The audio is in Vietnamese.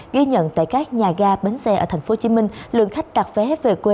ghi nhận tại các nhà ga bến xe ở tp hcm lượng khách đặt vé về quê